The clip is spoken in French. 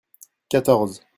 quatorze.